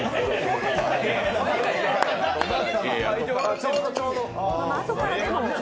ちょうど、ちょうど。